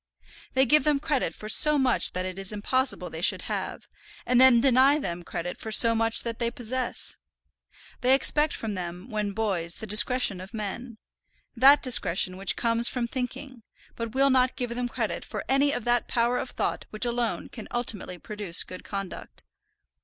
They give them credit for so much that it is impossible they should have, and then deny them credit for so much that they possess! They expect from them when boys the discretion of men, that discretion which comes from thinking; but will not give them credit for any of that power of thought which alone can ultimately produce good conduct.